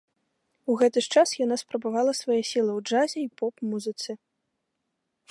У гэты ж час яна спрабавала свае сілы ў джазе і поп-музыцы.